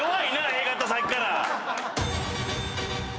Ａ型さっきから。